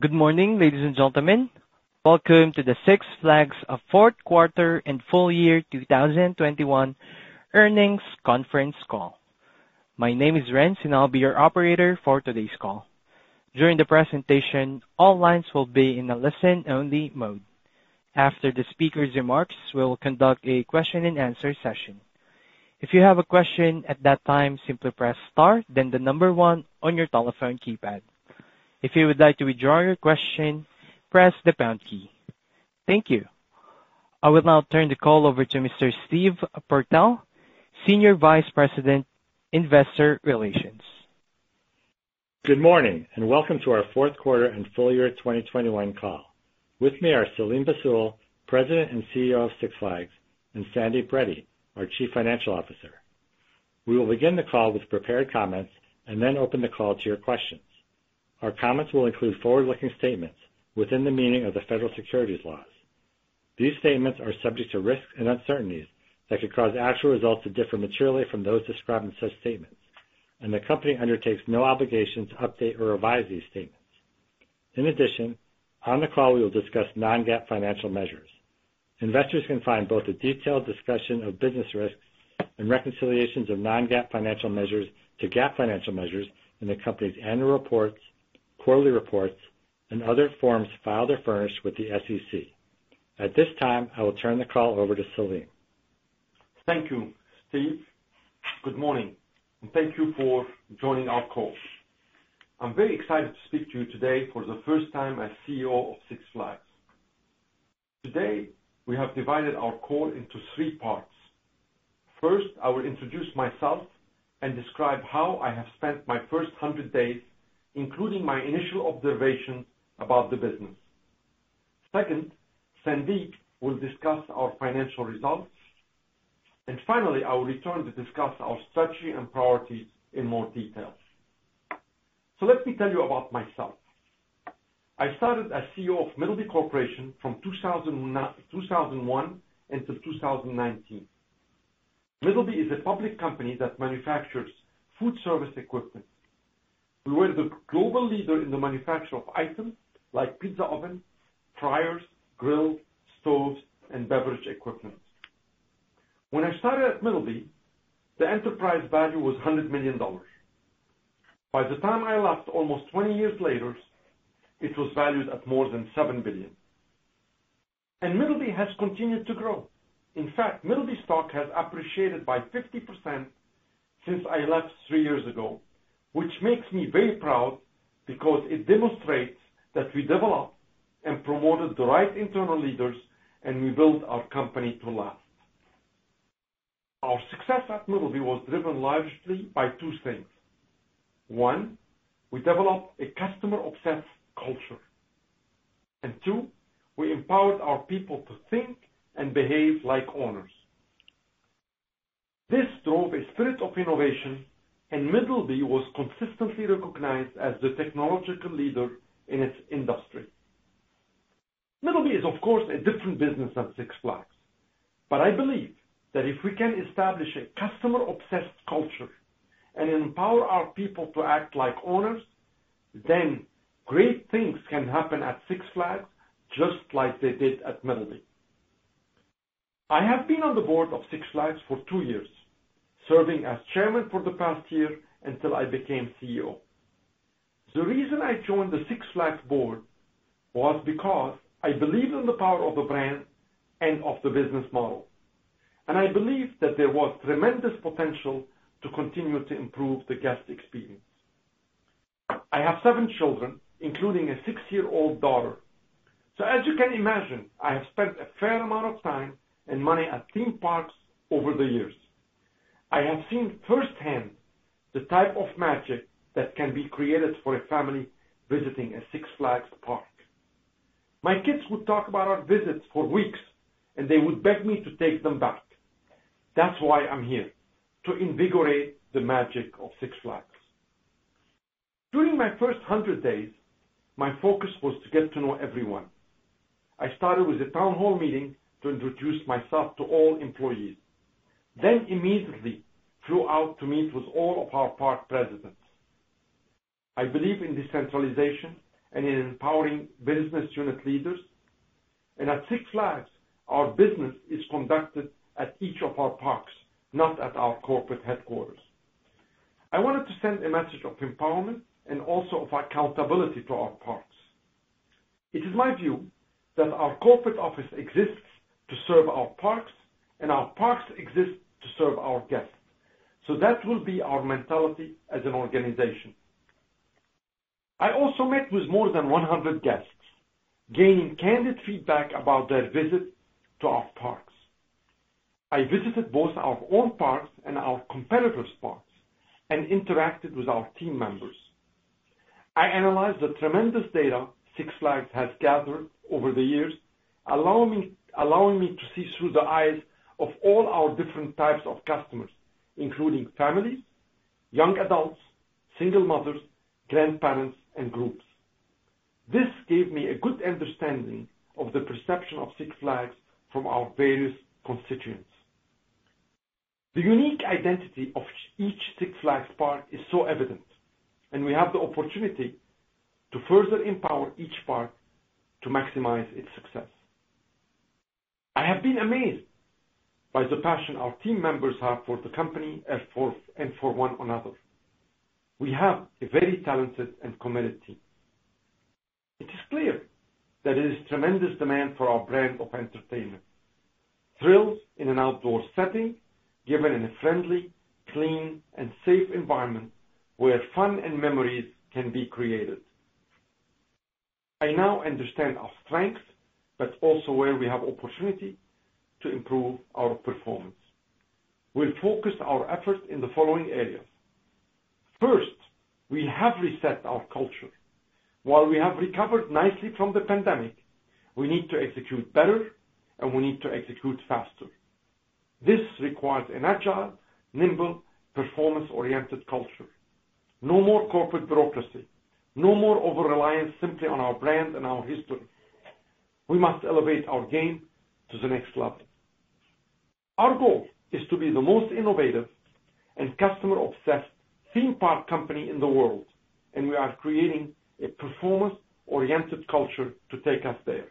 Good morning, ladies and gentlemen. Welcome to the Six Flags' Fourth Quarter and Full Year 2021 Earnings Conference Call. My name is Renz, and I'll be your operator for today's call. During the presentation, all lines will be in a listen-only mode. After the speaker's remarks, we will conduct a question-and-answer session. If you have a question at that time, simply press star then one on your telephone keypad. If you would like to withdraw your question, press the pound key. Thank you. I will now turn the call over to Mr. Steve Purtell, Senior Vice President, Investor Relations. Good morning, and welcome to our fourth quarter and full year 2021 call. With me are Selim Bassoul, President and CEO of Six Flags, and Sandeep Reddy, our Chief Financial Officer. We will begin the call with prepared comments and then open the call to your questions. Our comments will include forward-looking statements within the meaning of the Federal Securities laws. These statements are subject to risks and uncertainties that could cause actual results to differ materially from those described in such statements, and the company undertakes no obligation to update or revise these statements. In addition, on the call, we will discuss non-GAAP financial measures. Investors can find both a detailed discussion of business risks and reconciliations of non-GAAP financial measures to GAAP financial measures in the company's annual reports, quarterly reports, and other forms filed or furnished with the SEC. At this time, I will turn the call over to Selim. Thank you, Steve. Good morning, and thank you for joining our call. I'm very excited to speak to you today for the first time as CEO of Six Flags. Today, we have divided our call into three parts. First, I will introduce myself and describe how I have spent my first 100 days, including my initial observation about the business. Second, Sandeep will discuss our financial results. Finally, I will return to discuss our strategy and priorities in more details. Let me tell you about myself. I started as CEO of Middleby Corporation from 2001 until 2019. Middleby is a public company that manufactures food service equipment. We were the global leader in the manufacture of items like pizza ovens, fryers, grills, stoves, and beverage equipment. When I started at Middleby, the enterprise value was $100 million. By the time I left almost 20 years later, it was valued at more than $7 billion. Middleby has continued to grow. In fact, Middleby stock has appreciated by 50% since I left three years ago, which makes me very proud because it demonstrates that we developed and promoted the right internal leaders, and we built our company to last. Our success at Middleby was driven largely by two things. One, we developed a customer-obsessed culture. Two, we empowered our people to think and behave like owners. This drove a spirit of innovation, and Middleby was consistently recognized as the technological leader in its industry. Middleby is, of course, a different business than Six Flags, but I believe that if we can establish a customer-obsessed culture and empower our people to act like owners, then great things can happen at Six Flags, just like they did at Middleby. I have been on the board of Six Flags for two years, serving as chairman for the past year until I became CEO. The reason I joined the Six Flags board was because I believed in the power of the brand and of the business model, and I believed that there was tremendous potential to continue to improve the guest experience. I have seven children, including a six-year-old daughter. As you can imagine, I have spent a fair amount of time and money at theme parks over the years. I have seen firsthand the type of magic that can be created for a family visiting a Six Flags park. My kids would talk about our visits for weeks, and they would beg me to take them back. That's why I'm here, to invigorate the magic of Six Flags. During my first 100 days, my focus was to get to know everyone. I started with a town hall meeting to introduce myself to all employees, then immediately flew out to meet with all of our park presidents. I believe in decentralization and in empowering business unit leaders. At Six Flags, our business is conducted at each of our parks, not at our corporate headquarters. I wanted to send a message of empowerment and also of accountability to our parks. It is my view that our corporate office exists to serve our parks, and our parks exist to serve our guests. That will be our mentality as an organization. I also met with more than 100 guests, gaining candid feedback about their visit to our parks. I visited both our own parks and our competitors' parks and interacted with our team members. I analyzed the tremendous data Six Flags has gathered over the years, allowing me to see through the eyes of all our different types of customers, including families, young adults, single mothers, grandparents, and groups. This gave me a good understanding of the perception of Six Flags from our various constituents. The unique identity of each Six Flags park is so evident, and we have the opportunity to further empower each park to maximize its success. I have been amazed by the passion our team members have for the company and for one another. We have a very talented and committed team. It is clear that there is tremendous demand for our brand of entertainment, thrills in an outdoor setting given in a friendly, clean, and safe environment where fun and memories can be created. I now understand our strengths, but also where we have opportunity to improve our performance. We'll focus our efforts in the following areas. First, we have reset our culture. While we have recovered nicely from the pandemic, we need to execute better, and we need to execute faster. This requires an agile, nimble, performance-oriented culture. No more corporate bureaucracy, no more over-reliance simply on our brand and our history. We must elevate our game to the next level. Our goal is to be the most innovative and customer-obsessed theme park company in the world, and we are creating a performance-oriented culture to take us there.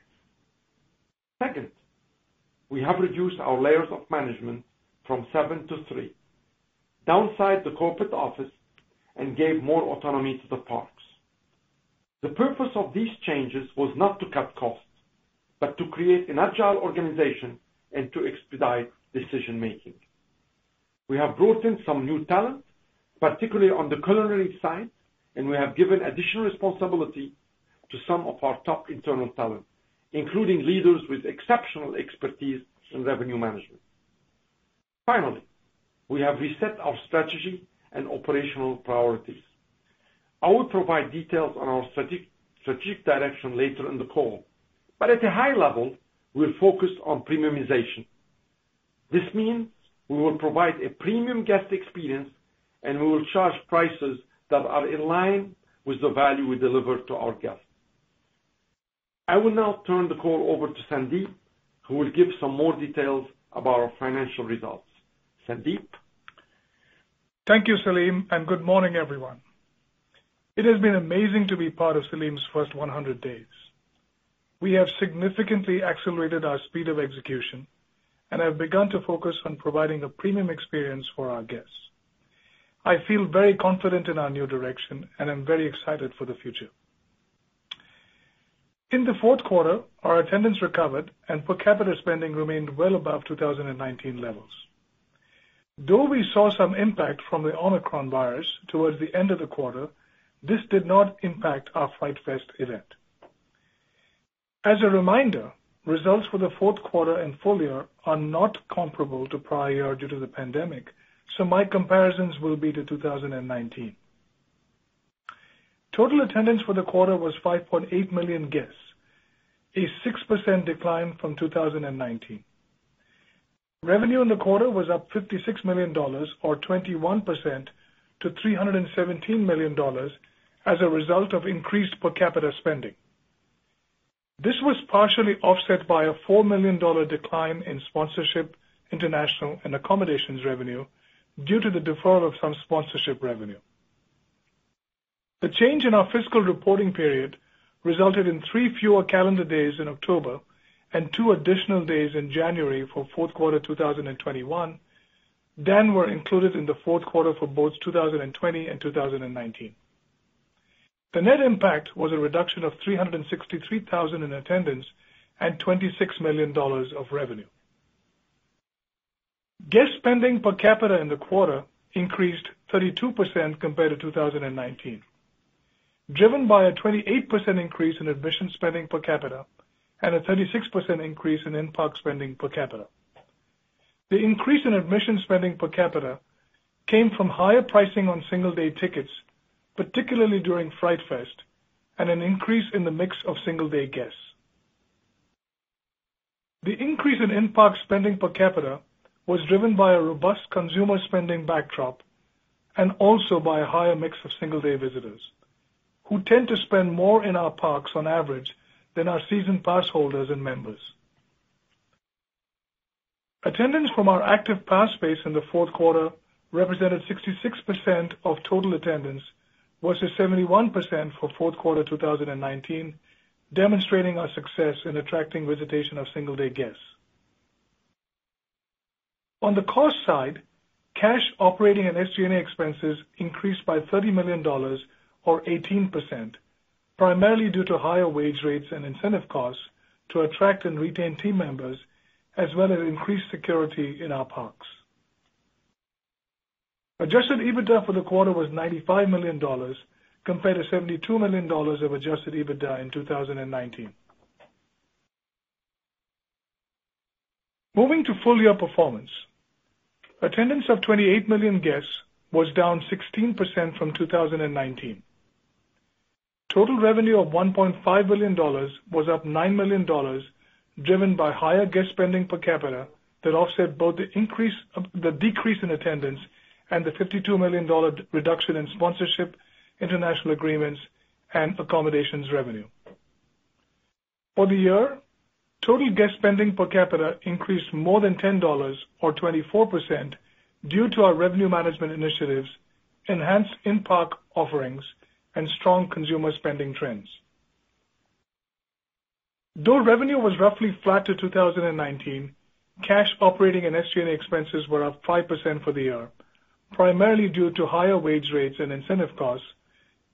Second, we have reduced our layers of management from seven to three. Downsized the corporate office and gave more autonomy to the parks. The purpose of these changes was not to cut costs, but to create an agile organization and to expedite decision-making. We have brought in some new talent, particularly on the culinary side, and we have given additional responsibility to some of our top internal talent, including leaders with exceptional expertise in revenue management. Finally, we have reset our strategy and operational priorities. I will provide details on our strategic direction later in the call. At a high level, we're focused on premiumization. This means we will provide a premium guest experience, and we will charge prices that are in line with the value we deliver to our guests. I will now turn the call over to Sandeep, who will give some more details about our financial results. Sandeep. Thank you, Selim, and good morning, everyone. It has been amazing to be part of Selim's first 100 days. We have significantly accelerated our speed of execution and have begun to focus on providing a premium experience for our guests. I feel very confident in our new direction, and I'm very excited for the future. In the fourth quarter, our attendance recovered, and per capita spending remained well above 2019 levels. Though we saw some impact from the Omicron virus towards the end of the quarter, this did not impact our Fright Fest event. As a reminder, results for the fourth quarter and full year are not comparable to prior year due to the pandemic, so my comparisons will be to 2019. Total attendance for the quarter was 5.8 million guests, a 6% decline from 2019. Revenue in the quarter was up $56 million or 21% to $317 million as a result of increased per capita spending. This was partially offset by a $4 million decline in sponsorship, international and accommodations revenue due to the deferral of some sponsorship revenue. The change in our fiscal reporting period resulted in three fewer calendar days in October and two additional days in January for fourth quarter 2021 than were included in the fourth quarter for both 2020 and 2019. The net impact was a reduction of 363,000 in attendance and $26 million of revenue. Guest spending per capita in the quarter increased 32% compared to 2019, driven by a 28% increase in admission spending per capita and a 36% increase in in-park spending per capita. The increase in admission spending per capita came from higher pricing on single-day tickets, particularly during Fright Fest, and an increase in the mix of single-day guests. The increase in in-park spending per capita was driven by a robust consumer spending backdrop and also by a higher mix of single-day visitors who tend to spend more in our parks on average than our season pass holders and members. Attendance from our active pass base in the fourth quarter represented 66% of total attendance, versus 71% for fourth quarter 2019, demonstrating our success in attracting visitation of single-day guests. On the cost side, cash operating and SG&A expenses increased by $30 million or 18%, primarily due to higher wage rates and incentive costs to attract and retain team members, as well as increased security in our parks. Adjusted EBITDA for the quarter was $95 million, compared to $72 million of adjusted EBITDA in 2019. Moving to full-year performance. Attendance of 28 million guests was down 16% from 2019. Total revenue of $1.5 billion was up $9 million, driven by higher guest spending per capita that offset both the decrease in attendance and the $52 million reduction in sponsorship, international agreements, and accommodations revenue. For the year, total guest spending per capita increased more than $10 or 24% due to our revenue management initiatives, enhanced in-park offerings, and strong consumer spending trends. Though revenue was roughly flat to 2019, cash operating and SG&A expenses were up 5% for the year, primarily due to higher wage rates and incentive costs,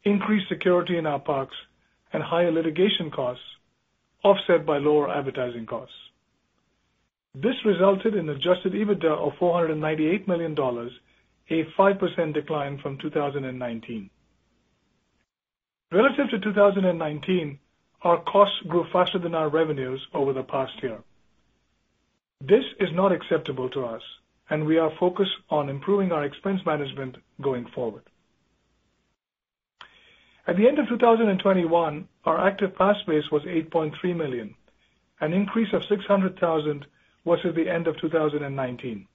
increased security in our parks, and higher litigation costs, offset by lower advertising costs. This resulted in adjusted EBITDA of $498 million, a 5% decline from 2019. Relative to 2019, our costs grew faster than our revenues over the past year. This is not acceptable to us, and we are focused on improving our expense management going forward. At the end of 2021, our active pass base was 8.3 million, an increase of 600,000 from the end of 2019.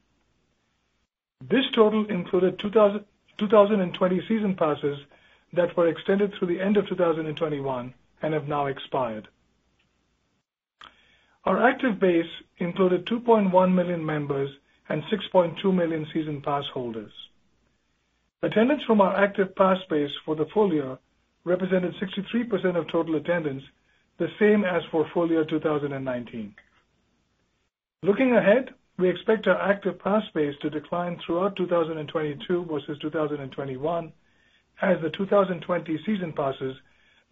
This total included 2020 season passes that were extended through the end of 2021 and have now expired. Our active base included 2.1 million members and 6.2 million season pass holders. Attendance from our active pass base for the full year represented 63% of total attendance, the same as for full year 2019. Looking ahead, we expect our active pass base to decline throughout 2022 versus 2021 as the 2020 season passes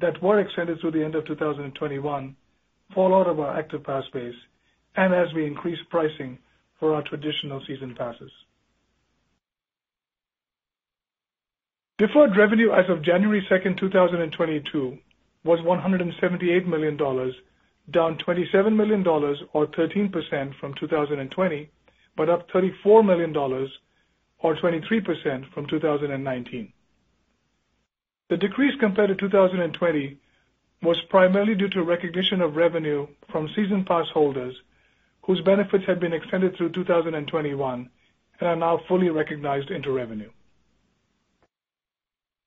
that were extended through the end of 2021 fall out of our active pass base and as we increase pricing for our traditional season passes. Deferred revenue as of January 2nd, 2022 was $178 million, down $27 million or 13% from 2020, but up $34 million or 23% from 2019. The decrease compared to 2020 was primarily due to recognition of revenue from season pass holders whose benefits had been extended through 2021 and are now fully recognized into revenue.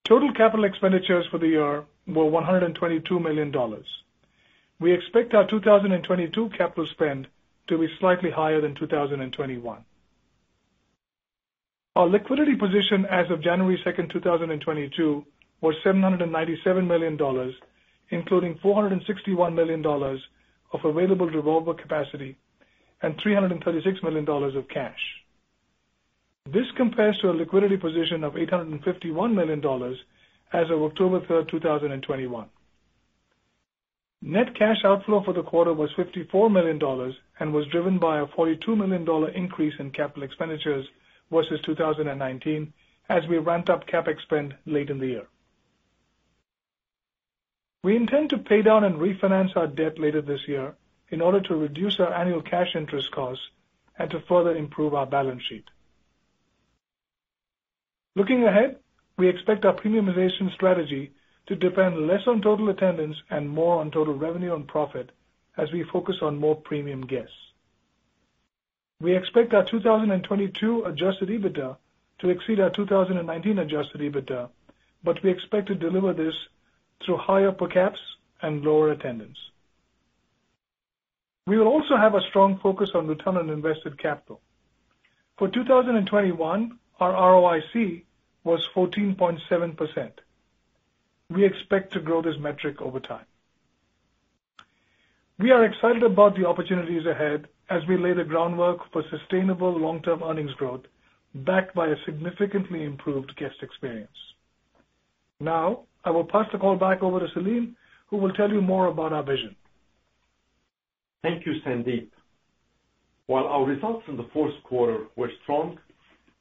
Total capital expenditures for the year were $122 million. We expect our 2022 capital spend to be slightly higher than 2021. Our liquidity position as of January 2, 2022 was $797 million, including $461 million of available revolver capacity and $336 million of cash. This compares to a liquidity position of $851 million as of October 3, 2021. Net cash outflow for the quarter was $54 million and was driven by a $42 million increase in capital expenditures versus 2019 as we ramped up CapEx spend late in the year. We intend to pay down and refinance our debt later this year in order to reduce our annual cash interest costs and to further improve our balance sheet. Looking ahead, we expect our premiumization strategy to depend less on total attendance and more on total revenue and profit as we focus on more premium guests. We expect our 2022 adjusted EBITDA to exceed our 2019 adjusted EBITDA, but we expect to deliver this through higher per caps and lower attendance. We will also have a strong focus on return on invested capital. For 2021, our ROIC was 14.7%. We expect to grow this metric over time. We are excited about the opportunities ahead as we lay the groundwork for sustainable long-term earnings growth backed by a significantly improved guest experience. Now, I will pass the call back over to Selim, who will tell you more about our vision. Thank you, Sandeep. While our results in the fourth quarter were strong,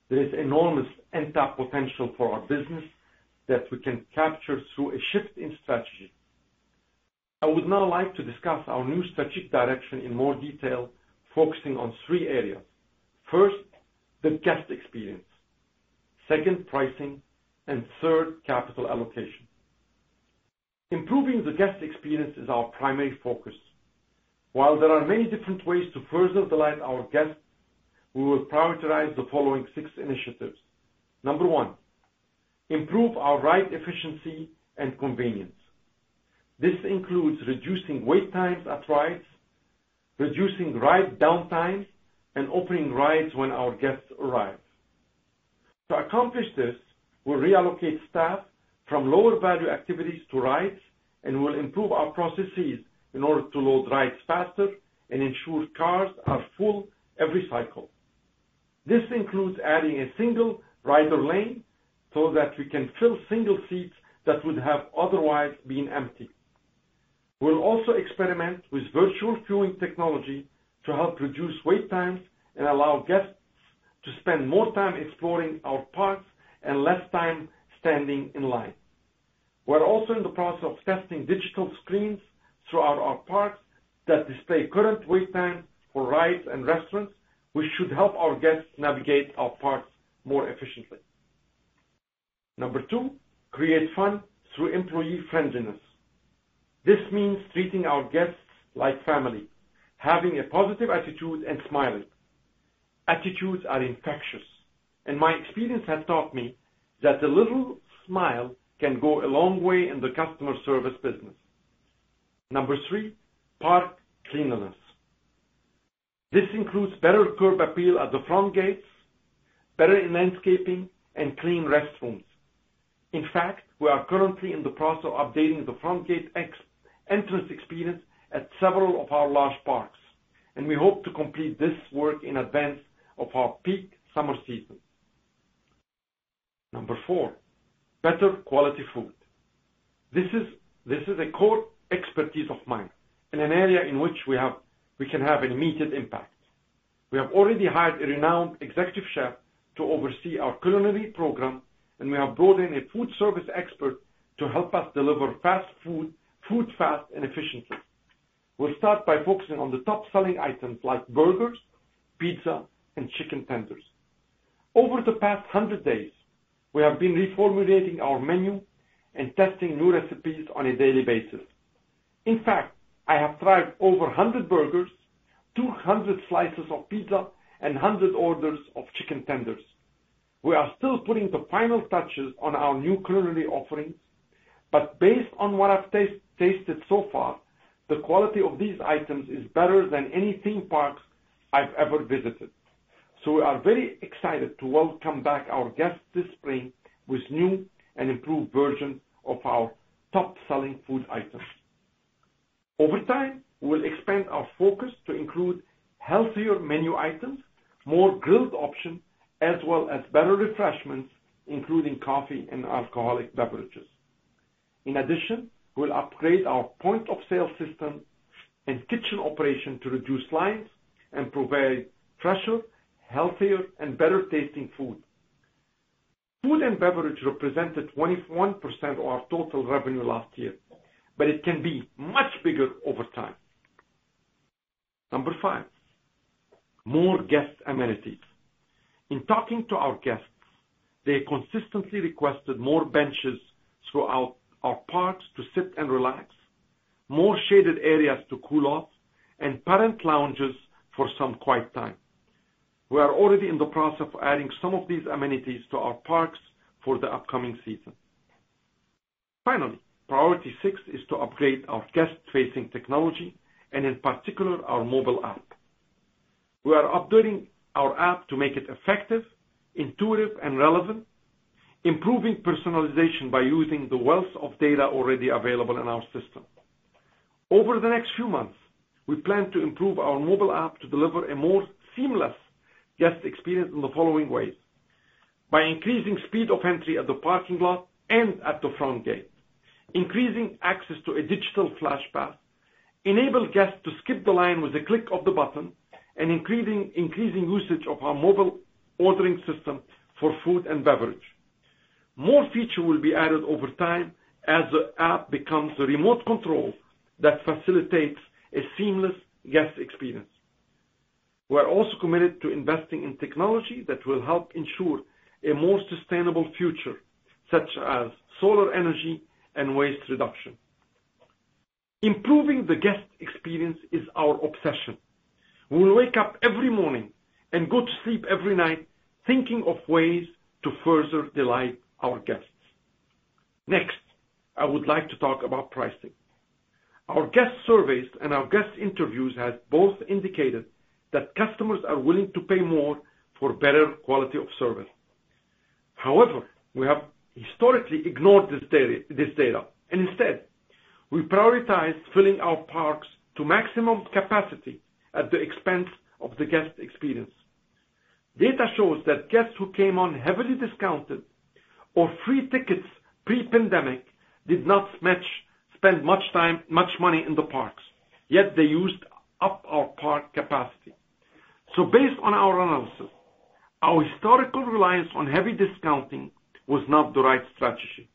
there is enormous untapped potential for our business that we can capture through a shift in strategy. I would now like to discuss our new strategic direction in more detail, focusing on three areas. First, the guest experience. Second, pricing. Third, capital allocation. Improving the guest experience is our primary focus. While there are many different ways to further delight our guests, we will prioritize the following six initiatives. Number one, improve our ride efficiency and convenience. This includes reducing wait times at rides, reducing ride downtime, and opening rides when our guests arrive. To accomplish this, we'll reallocate staff from lower-value activities to rides, and we'll improve our processes in order to load rides faster and ensure cars are full every cycle. This includes adding a single rider lane so that we can fill single seats that would have otherwise been empty. We'll also experiment with virtual queuing technology to help reduce wait times and allow guests to spend more time exploring our parks and less time standing in line. We're also in the process of testing digital screens throughout our parks that display current wait time for rides and restaurants, which should help our guests navigate our parks more efficiently. Number two, create fun through employee friendliness. This means treating our guests like family, having a positive attitude and smiling. Attitudes are infectious, and my experience has taught me that a little smile can go a long way in the customer service business. Number three, park cleanliness. This includes better curb appeal at the front gates, better landscaping, and clean restrooms. In fact, we are currently in the process of updating the front gate entrance experience at several of our large parks, and we hope to complete this work in advance of our peak summer season. Number four, better quality food. This is a core expertise of mine, in an area in which we can have an immediate impact. We have already hired a renowned executive chef to oversee our culinary program, and we have brought in a food service expert to help us deliver fast food fast and efficiently. We'll start by focusing on the top-selling items like burgers, pizza, and chicken tenders. Over the past 100 days, we have been reformulating our menu and testing new recipes on a daily basis. In fact, I have tried over 100 burgers, 200 slices of pizza, and 100 orders of chicken tenders. We are still putting the final touches on our new culinary offerings, but based on what I've tasted so far, the quality of these items is better than any theme parks I've ever visited. We are very excited to welcome back our guests this spring with new and improved version of our top-selling food items. Over time, we'll expand our focus to include healthier menu items, more grilled options, as well as better refreshments, including coffee and alcoholic beverages. In addition, we'll upgrade our point-of-sale system and kitchen operation to reduce lines and provide fresher, healthier, and better tasting food. Food and beverage represented 21% of our total revenue last year, but it can be much bigger over time. Number five, more guest amenities. In talking to our guests, they consistently requested more benches throughout our parks to sit and relax, more shaded areas to cool off, and parent lounges for some quiet time. We are already in the process of adding some of these amenities to our parks for the upcoming season. Finally, priority six is to upgrade our guest-facing technology, and in particular, our mobile app. We are updating our app to make it effective, intuitive, and relevant, improving personalization by using the wealth of data already available in our system. Over the next few months, we plan to improve our mobile app to deliver a more seamless guest experience in the following ways by increasing speed of entry at the parking lot and at the front gate, increasing access to a digital FLASH Pass, enable guests to skip the line with a click of the button, and increasing usage of our mobile ordering system for food and beverage. More feature will be added over time as the app becomes a remote control that facilitates a seamless guest experience. We are also committed to investing in technology that will help ensure a more sustainable future, such as solar energy and waste reduction. Improving the guest experience is our obsession. We wake up every morning and go to sleep every night thinking of ways to further delight our guests. Next, I would like to talk about pricing. Our guest surveys and our guest interviews has both indicated that customers are willing to pay more for better quality of service. However, we have historically ignored this data, and instead, we prioritize filling our parks to maximum capacity at the expense of the guest experience. Data shows that guests who came on heavily discounted or free tickets pre-pandemic did not spend much time, much money in the parks, yet they used up our park capacity. Based on our analysis, our historical reliance on heavy discounting was not the right strategy.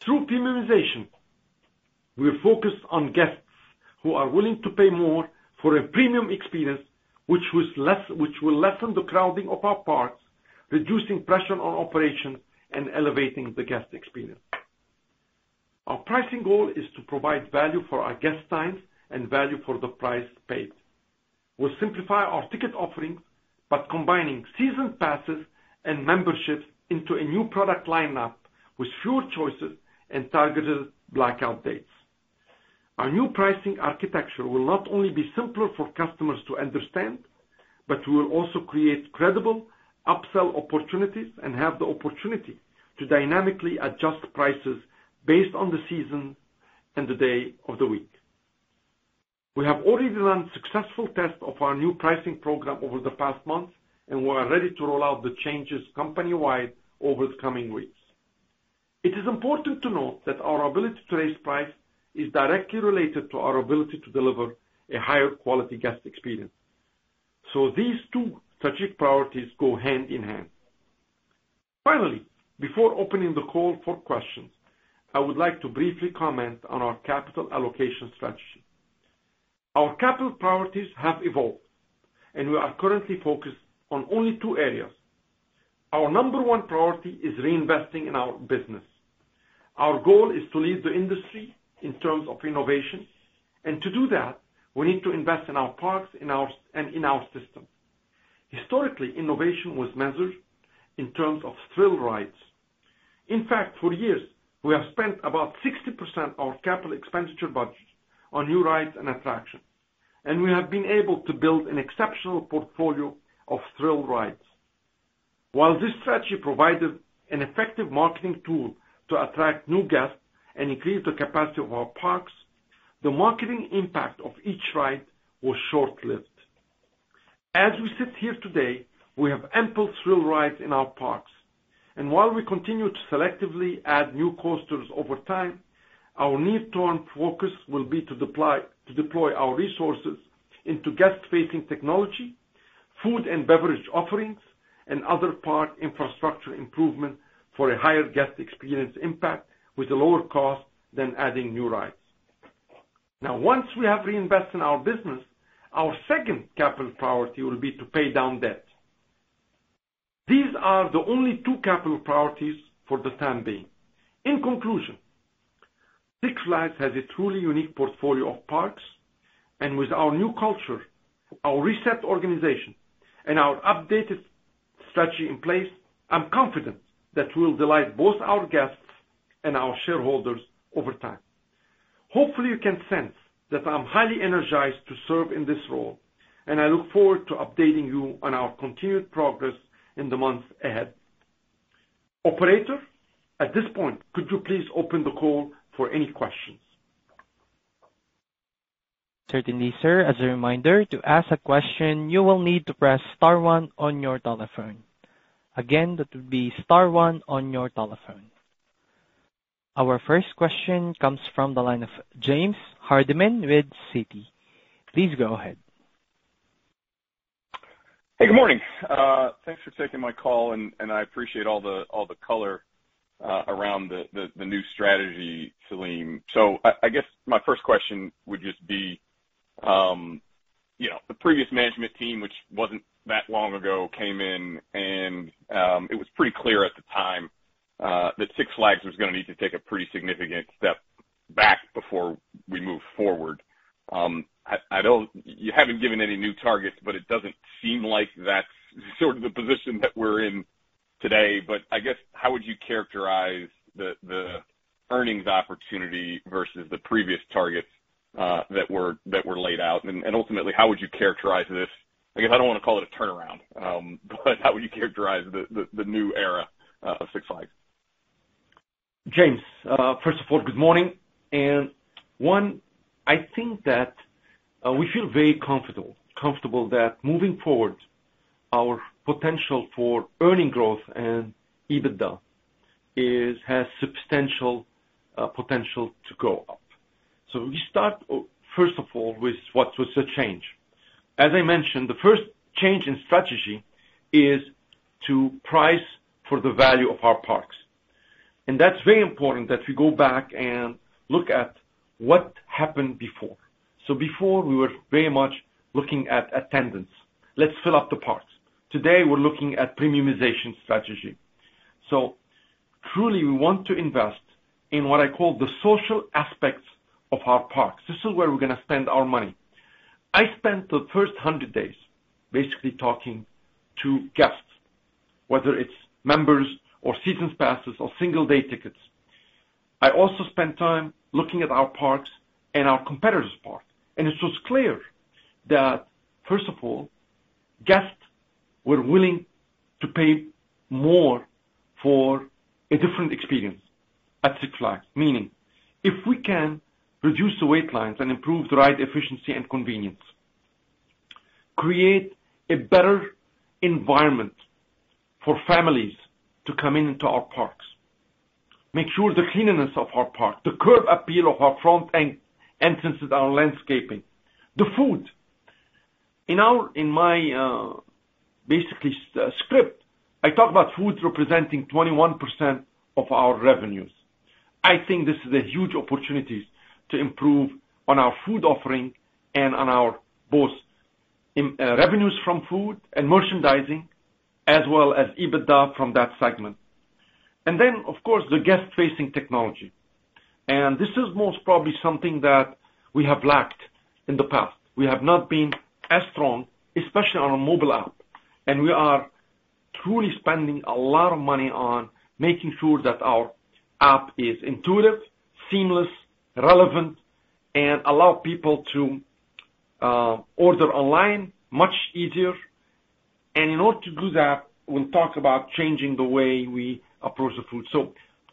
Through premiumization, we are focused on guests who are willing to pay more for a premium experience which will lessen the crowding of our parks, reducing pressure on operation and elevating the guest experience. Our pricing goal is to provide value for our guest time and value for the price paid. We'll simplify our ticket offering by combining season passes and memberships into a new product line-up with fewer choices and targeted blackout dates. Our new pricing architecture will not only be simpler for customers to understand, but will also create credible upsell opportunities and have the opportunity to dynamically adjust prices based on the season and the day of the week. We have already run successful tests of our new pricing program over the past months, and we are ready to roll out the changes company-wide over the coming weeks. It is important to note that our ability to raise price is directly related to our ability to deliver a higher quality guest experience. These two strategic priorities go hand in hand. Finally, before opening the call for questions, I would like to briefly comment on our capital allocation strategy. Our capital priorities have evolved, and we are currently focused on only two areas. Our number one priority is reinvesting in our business. Our goal is to lead the industry in terms of innovation, and to do that, we need to invest in our products and in our system. Historically, innovation was measured in terms of thrill rides. In fact, for years, we have spent about 60% of capital expenditure budget on new rides and attractions, and we have been able to build an exceptional portfolio of thrill rides. While this strategy provided an effective marketing tool to attract new guests and increase the capacity of our parks, the marketing impact of each ride was short-lived. As we sit here today, we have ample thrill rides in our parks, and while we continue to selectively add new coasters over time, our near-term focus will be to deploy our resources into guest-facing technology, food and beverage offerings, and other park infrastructure improvement for a higher guest experience impact with a lower cost than adding new rides. Now, once we have reinvested in our business, our second capital priority will be to pay down debt. These are the only two capital priorities for the time being. In conclusion, Six Flags has a truly unique portfolio of parks, and with our new culture, our reset organization, and our updated strategy in place, I'm confident that we'll delight both our guests and our shareholders over time. Hopefully, you can sense that I'm highly energized to serve in this role, and I look forward to updating you on our continued progress in the months ahead. Operator, at this point, could you please open the call for any questions? Certainly, sir. As a reminder, to ask a question, you will need to press star one on your telephone. Again, that would be star one on your telephone. Our first question comes from the line of James Hardiman with Citi. Please go ahead. Hey, good morning. Thanks for taking my call, and I appreciate all the color around the new strategy, Selim. I guess my first question would just be, you know, the previous management team, which wasn't that long ago, came in and it was pretty clear at the time that Six Flags was gonna need to take a pretty significant step back before we move forward. I don't. You haven't given any new targets, but it doesn't seem like that's sort of the position that we're in today. I guess, how would you characterize the earnings opportunity versus the previous targets that were laid out? Ultimately, how would you characterize this? I guess I don't wanna call it a turnaround, but how would you characterize the new era of Six Flags? James, first of all, good morning. One, I think that we feel very comfortable that moving forward, our potential for earnings growth and EBITDA has substantial potential to grow up. We start, first of all, with what was the change. As I mentioned, the first change in strategy is to price for the value of our parks. That's very important that we go back and look at what happened before. Before, we were very much looking at attendance. Let's fill up the parks. Today, we're looking at premiumization strategy. Truly, we want to invest in what I call the social aspects of our parks. This is where we're gonna spend our money. I spent the first 100 days basically talking to guests, whether it's members or season passes or single-day tickets. I also spent time looking at our parks and our competitors' parks. It was clear that, first of all, guests were willing to pay more for a different experience at Six Flags. Meaning, if we can reduce the wait lines and improve the ride efficiency and convenience, create a better environment for families to come into our parks, make sure the cleanliness of our park, the curb appeal of our front entrances, our landscaping, the food. In my basically script, I talk about food representing 21% of our revenues. I think this is a huge opportunity to improve on our food offering and on our both revenues from food and merchandising, as well as EBITDA from that segment. Then, of course, the guest-facing technology. This is most probably something that we have lacked in the past. We have not been as strong, especially on our mobile app, and we are truly spending a lot of money on making sure that our app is intuitive, seamless, relevant, and allow people to order online much easier. In order to do that, we'll talk about changing the way we approach the food.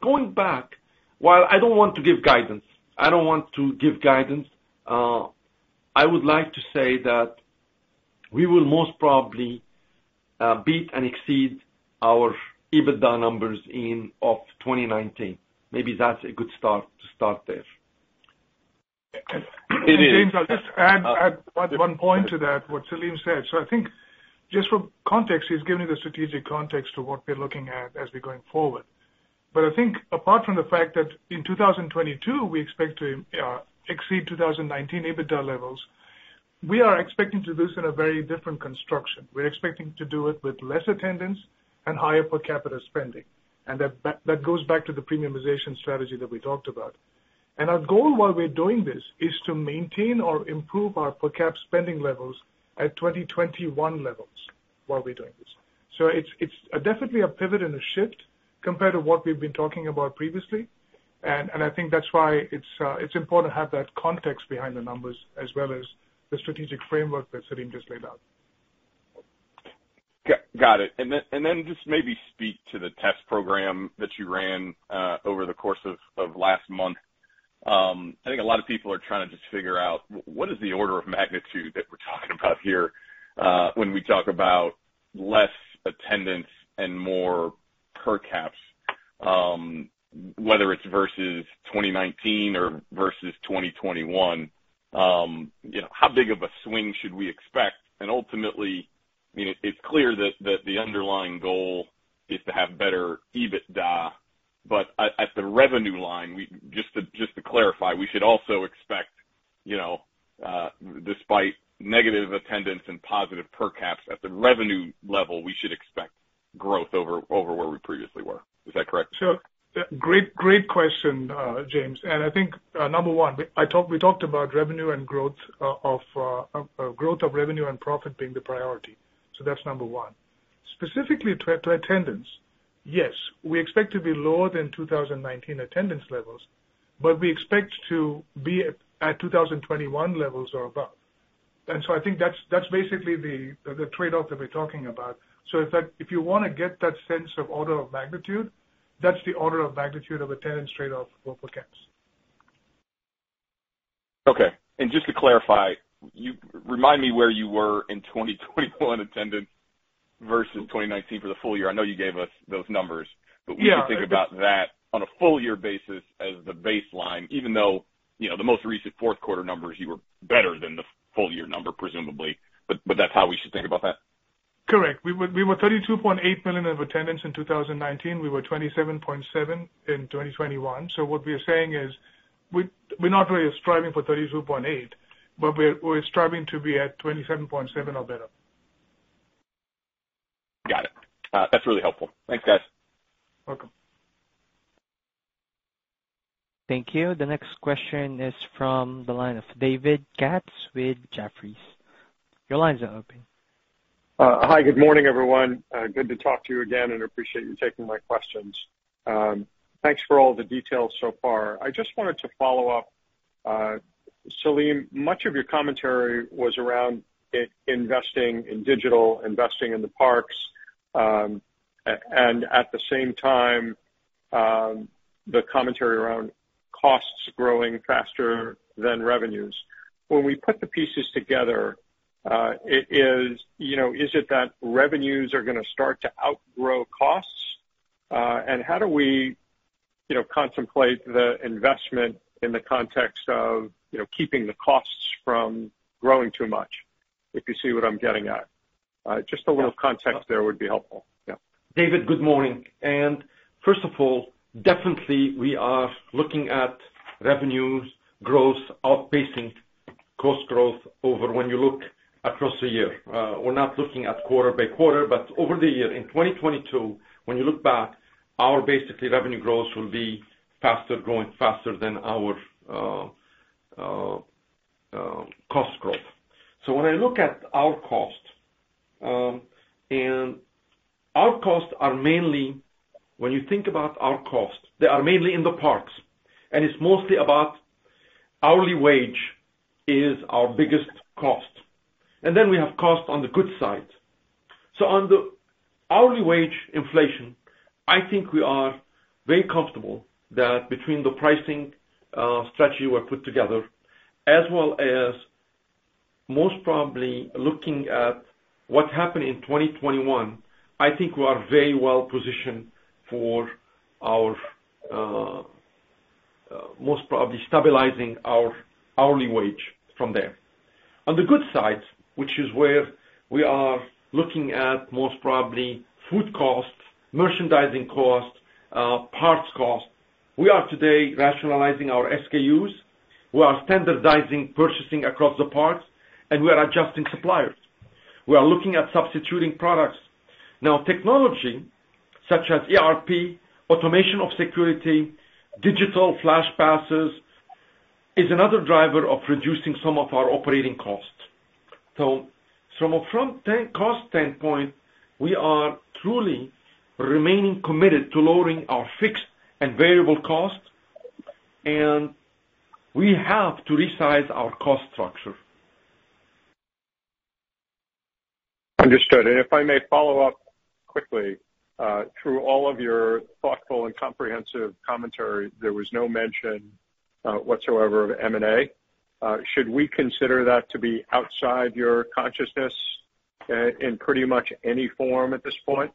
Going back, while I don't want to give guidance, I would like to say that we will most probably beat and exceed our EBITDA numbers in 2019. Maybe that's a good start to start there. It is. James, I'll just add one point to that, what Selim said. I think just for context, he's given you the strategic context to what we're looking at as we're going forward. I think apart from the fact that in 2022, we expect to exceed 2019 EBITDA levels. We are expecting to do this in a very different construction. We're expecting to do it with less attendance and higher per capita spending, and that goes back to the premiumization strategy that we talked about. Our goal while we're doing this is to maintain or improve our per cap spending levels at 2021 levels while we're doing this. It's definitely a pivot and a shift compared to what we've been talking about previously. I think that's why it's important to have that context behind the numbers as well as the strategic framework that Selim just laid out. Got it. Then just maybe speak to the test program that you ran over the course of last month. I think a lot of people are trying to just figure out what is the order of magnitude that we're talking about here, when we talk about less attendance and more per caps, whether it's versus 2019 or versus 2021. You know, how big of a swing should we expect? Ultimately, I mean, it's clear that the underlying goal is to have better EBITDA. At the revenue line, just to clarify, we should also expect, you know, despite negative attendance and positive per caps at the revenue level, we should expect growth over where we previously were. Is that correct? Great question, James. I think number one, we talked about revenue and growth of revenue and profit being the priority. That's number one. Specifically to attendance, yes, we expect to be lower than 2019 attendance levels, but we expect to be at 2021 levels or above. I think that's basically the trade-off that we're talking about. If you wanna get that sense of order of magnitude, that's the order of magnitude of attendance trade-off over per caps. Okay. Just to clarify, you remind me where you were in 2021 attendance versus 2019 for the full year. I know you gave us those numbers. Yeah. We can think about that on a full year basis as the baseline, even though, you know, the most recent fourth quarter numbers, you were better than the full year number, presumably. That's how we should think about that? Correct. We were 32.8 million in attendance in 2019. We were 27.7 in 2021. What we are saying is, we're not really striving for 32.8, but we're striving to be at 27.7 or better. Got it. That's really helpful. Thanks, guys. Welcome. Thank you. The next question is from the line of David Katz with Jefferies. Your line is open. Hi. Good morning, everyone. Good to talk to you again, and appreciate you taking my questions. Thanks for all the details so far. I just wanted to follow up. Selim, much of your commentary was around investing in digital, investing in the parks, and at the same time, the commentary around costs growing faster than revenues. When we put the pieces together, you know, is it that revenues are gonna start to outgrow costs? How do we, you know, contemplate the investment in the context of, you know, keeping the costs from growing too much, if you see what I'm getting at? Just a little context there would be helpful. Yeah. David, good morning. First of all, definitely we are looking at revenue growth outpacing cost growth over when you look across the year. We're not looking at quarter by quarter, but over the year. In 2022, when you look back, our basically revenue growth will be faster, growing faster than our cost growth. When I look at our cost, and our costs are mainly when you think about our costs, they are mainly in the parks, and it's mostly about hourly wage is our biggest cost. Then we have cost on the goods side. On the hourly wage inflation, I think we are very comfortable that between the pricing strategy we put together, as well as most probably looking at what happened in 2021, I think we are very well positioned for our most probably stabilizing our hourly wage from there. On the good side, which is where we are looking at most probably food costs, merchandising costs, parts costs, we are today rationalizing our SKUs, we are standardizing purchasing across the parks, and we are adjusting suppliers. We are looking at substituting products. Now, technology such as ERP, automation of security, digital FLASH Passes is another driver of reducing some of our operating costs. From a cost standpoint, we are truly remaining committed to lowering our fixed and variable costs, and we have to resize our cost structure. Understood. If I may follow up quickly, through all of your thoughtful and comprehensive commentary, there was no mention whatsoever of M&A. Should we consider that to be outside your consciousness, in pretty much any form at this point?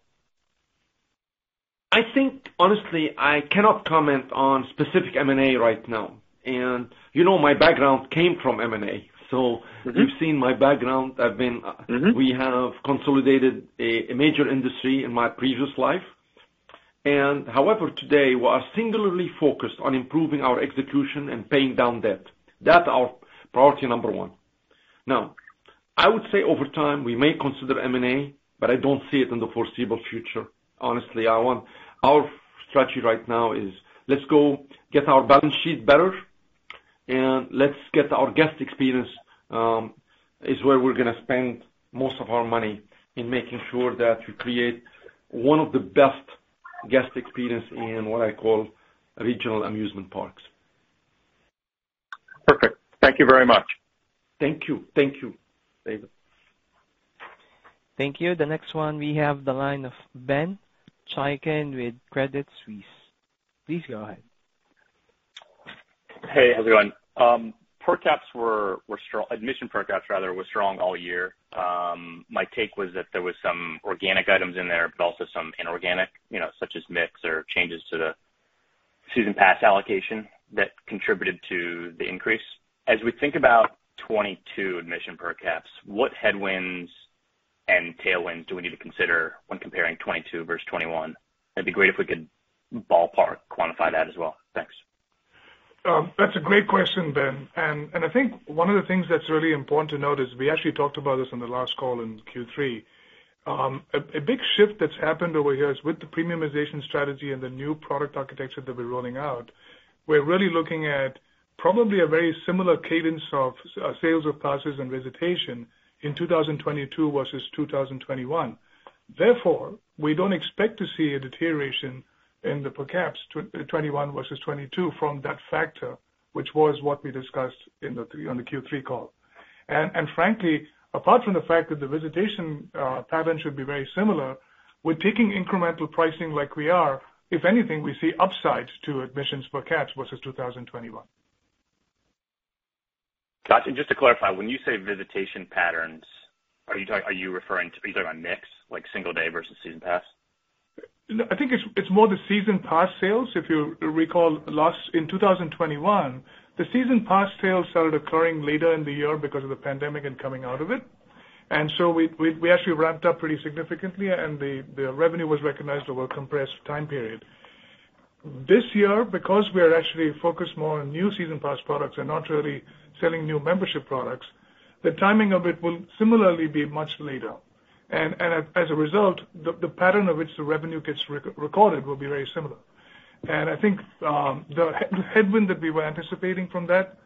I think honestly, I cannot comment on specific M&A right now. You know my background came from M&A. Mm-hmm. You've seen my background. Mm-hmm. We have consolidated a major industry in my previous life. However, today we are singularly focused on improving our execution and paying down debt. That's our priority number one. Now, I would say over time, we may consider M&A, but I don't see it in the foreseeable future. Honestly, our strategy right now is let's go get our balance sheet better and let's get our guest experience is where we're gonna spend most of our money in making sure that we create one of the best guest experience in what I call regional amusement parks. Perfect. Thank you very much. Thank you. Thank you, David. Thank you. The next one, we have the line of Ben Chaiken with Credit Suisse. Please go ahead. Hey, how's it going? Per caps were strong, admission per caps rather were strong all year. My take was that there was some organic items in there, but also some inorganic, you know, such as mix or changes to the season pass allocation that contributed to the increase. As we think about 2022 admission per caps, what headwinds and tailwinds do we need to consider when comparing 2022 versus 2021? It'd be great if we could ballpark quantify that as well. Thanks. That's a great question, Ben. I think one of the things that's really important to note is we actually talked about this on the last call in Q3. A big shift that's happened over here is with the premiumization strategy and the new product architecture that we're rolling out, we're really looking at probably a very similar cadence of sales of passes and visitation in 2022 versus 2021. Therefore, we don't expect to see a deterioration in the per caps 2021 versus 2022 from that factor, which was what we discussed on the Q3 call. Frankly, apart from the fact that the visitation pattern should be very similar, we're taking incremental pricing like we are, if anything, we see upsides to admissions per caps versus 2021. Gotcha. Just to clarify, when you say visitation patterns, are you referring to either a mix, like single day versus season pass? No, I think it's more the season pass sales. If you recall in 2021, the season pass sales started occurring later in the year because of the pandemic and coming out of it. We actually ramped up pretty significantly and the revenue was recognized over a compressed time period. This year, because we are actually focused more on new season pass products and not really selling new membership products, the timing of it will similarly be much later. And as a result, the pattern of which the revenue gets recorded will be very similar. I think the headwind that we were anticipating from that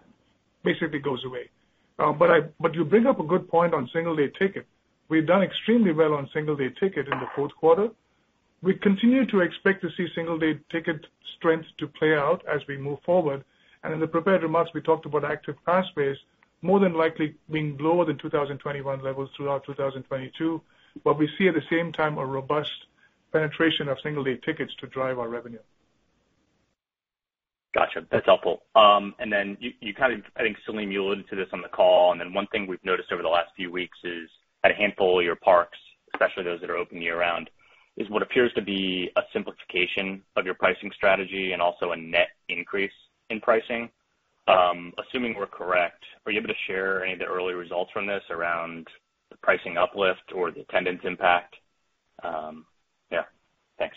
basically goes away. But you bring up a good point on single-day ticket. We've done extremely well on single-day ticket in the fourth quarter. We continue to expect to see single-day ticket strength to play out as we move forward. In the prepared remarks, we talked about active pass base more than likely being lower than 2021 levels throughout 2022. We see at the same time a robust penetration of single-day tickets to drive our revenue. Gotcha. That's helpful. I think, Selim, you alluded to this on the call, and then one thing we've noticed over the last few weeks is, at a handful of your parks, especially those that are open year-round, what appears to be a simplification of your pricing strategy and also a net increase in pricing. Assuming we're correct, are you able to share any of the early results from this around the pricing uplift or the attendance impact? Yeah. Thanks.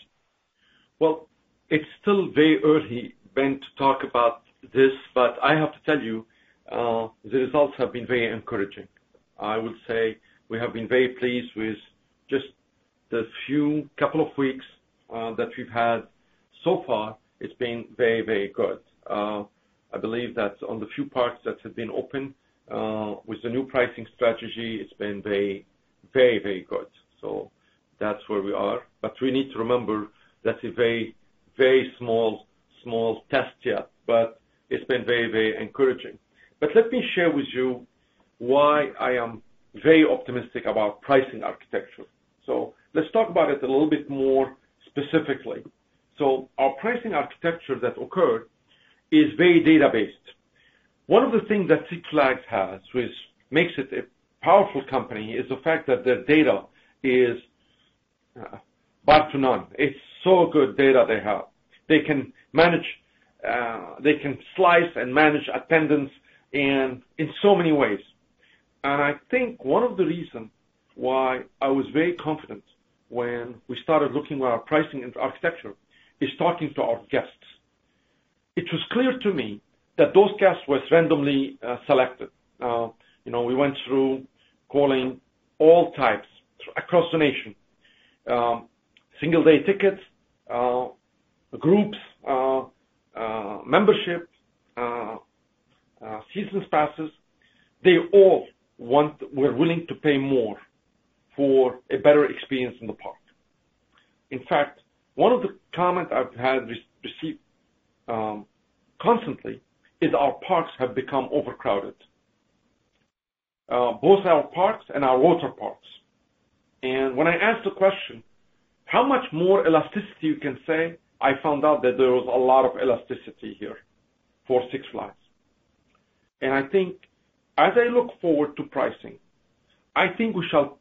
Well, it's still very early, Ben, to talk about this, but I have to tell you, the results have been very encouraging. I would say we have been very pleased with just the few couple of weeks that we've had so far. It's been very good. I believe that on the few parks that have been open with the new pricing strategy, it's been very good. That's where we are. We need to remember that's a very small test yet, but it's been very encouraging. Let me share with you why I am very optimistic about pricing architecture. Let's talk about it a little bit more specifically. Our pricing architecture that occurred is very data-based. One of the things that Six Flags has, which makes it a powerful company, is the fact that their data is bar none. It's so good data they have. They can manage, they can slice and manage attendance in so many ways. I think one of the reason why I was very confident when we started looking at our pricing architecture is talking to our guests. It was clear to me that those guests were randomly selected. You know, we went through calling all types across the nation, single-day tickets, groups, membership, season passes. They all were willing to pay more for a better experience in the park. In fact, one of the comments I've had received constantly is our parks have become overcrowded. Both our parks and our water parks. When I asked the question, how much more elasticity you can say, I found out that there was a lot of elasticity here for Six Flags. I think as I look forward to pricing, I think we shall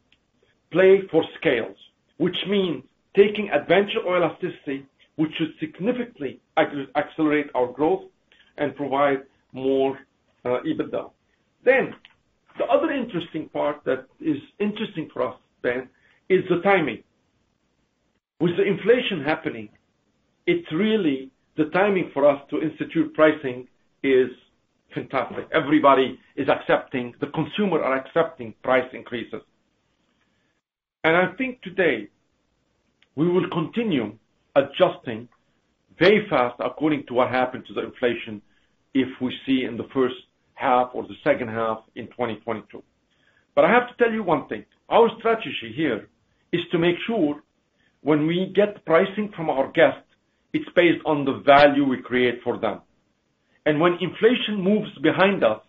play for scales, which means taking advantage of elasticity, which should significantly accelerate our growth and provide more EBITDA. The other interesting part that is interesting for us, Ben, is the timing. With the inflation happening, it's really the timing for us to institute pricing is fantastic. Everybody is accepting. The consumer are accepting price increases. I think today we will continue adjusting very fast according to what happened to the inflation, if we see in the first half or the second half in 2022. I have to tell you one thing, our strategy here is to make sure when we get pricing from our guests, it's based on the value we create for them. When inflation moves behind us,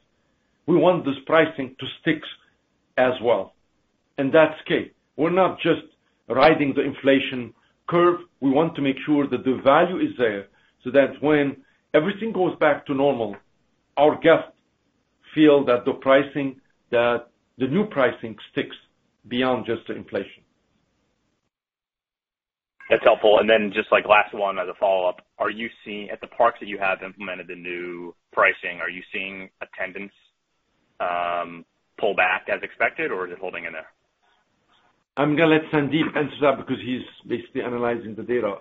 we want this pricing to stick as well. In that scale, we're not just riding the inflation curve, we want to make sure that the value is there, so that when everything goes back to normal, our guests feel that the pricing, that the new pricing sticks beyond just the inflation. That's helpful. Just like last one as a follow-up. At the parks that you have implemented the new pricing, are you seeing attendance pull back as expected or is it holding in there? I'm gonna let Sandeep answer that because he's basically analyzing the data.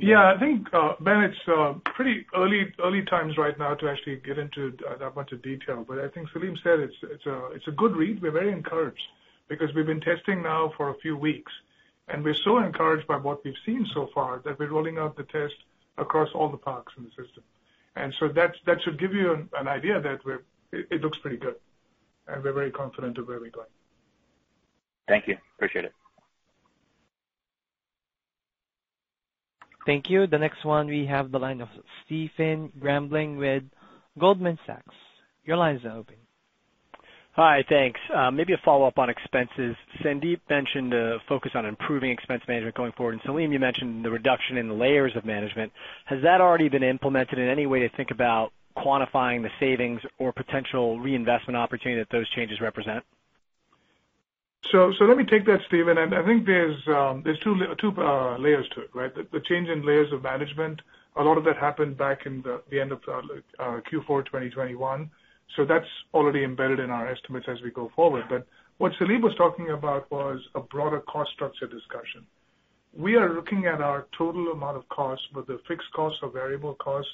Yeah. I think, Ben, it's pretty early times right now to actually get into that much of detail. I think Selim said it's a good read. We're very encouraged because we've been testing now for a few weeks, and we're so encouraged by what we've seen so far that we're rolling out the test across all the parks in the system. That should give you an idea that it looks pretty good, and we're very confident of where we're going. Thank you. Appreciate it. Thank you. The next one, we have the line of Stephen Grambling with Goldman Sachs. Your line is open. Hi. Thanks. Maybe a follow-up on expenses. Sandeep mentioned a focus on improving expense management going forward, and Selim, you mentioned the reduction in the layers of management. Has that already been implemented in any way to think about quantifying the savings or potential reinvestment opportunity that those changes represent? Let me take that, Stephen. I think there's two layers to it, right? The change in layers of management, a lot of that happened back in the end of Q4 2021, so that's already embedded in our estimates as we go forward. What Selim was talking about was a broader cost structure discussion. We are looking at our total amount of costs, whether fixed costs or variable costs,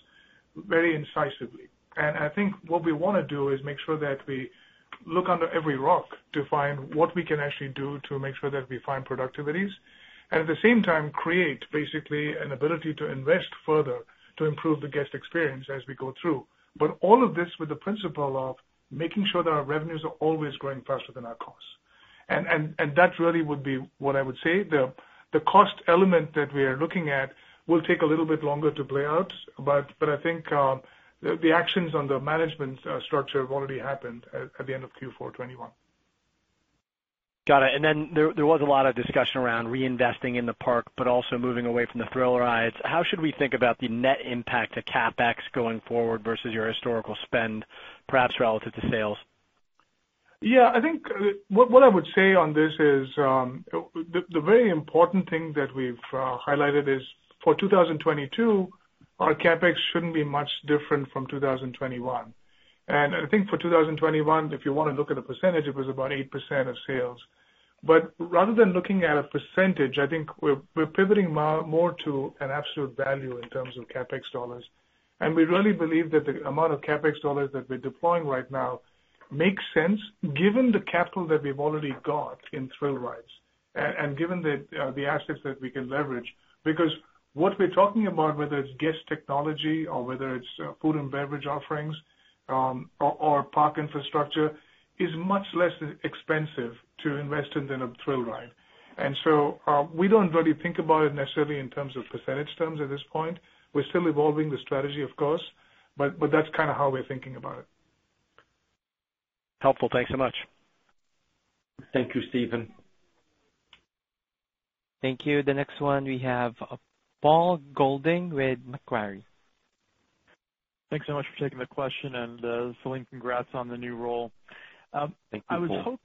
very incisively. I think what we wanna do is make sure that we look under every rock to find what we can actually do to make sure that we find productivities. At the same time, create basically an ability to invest further to improve the guest experience as we go through. All of this with the principle of making sure that our revenues are always growing faster than our costs. That really would be what I would say. The cost element that we are looking at will take a little bit longer to play out, but I think the actions on the management structure have already happened at the end of Q4 2021. Got it. There was a lot of discussion around reinvesting in the park, but also moving away from the thrill rides. How should we think about the net impact to CapEx going forward versus your historical spend, perhaps relative to sales? Yeah. I think what I would say on this is, the very important thing that we've highlighted is for 2022, our CapEx shouldn't be much different from 2021. I think for 2021, if you wanna look at the percentage, it was about 8% of sales. Rather than looking at a percentage, I think we're pivoting more to an absolute value in terms of CapEx dollars. We really believe that the amount of CapEx dollars that we're deploying right now makes sense given the capital that we've already got in thrill rides and given the assets that we can leverage. What we're talking about, whether it's guest technology or whether it's food and beverage offerings, or park infrastructure, is much less expensive to invest in than a thrill ride. We don't really think about it necessarily in terms of percentage terms at this point. We're still evolving the strategy, of course, but that's kinda how we're thinking about it. Helpful. Thanks so much. Thank you, Stephen. Thank you. The next one, we have, Paul Golding with Macquarie. Thanks so much for taking the question. Selim, congrats on the new role. Thank you, Paul.